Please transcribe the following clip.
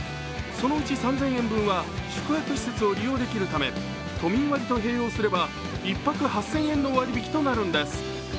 そのうち３０００円分は宿泊施設で利用できるため都民割と併用すれば１泊８０００円の割引になるんです。